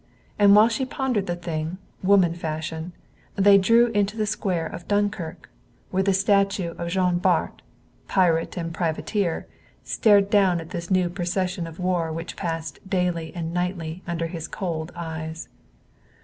And while she pondered the thing, woman fashion they drew into the square of Dunkirk, where the statue of Jean Bart, pirate and privateer stared down at this new procession of war which passed daily and nightly under his cold eyes.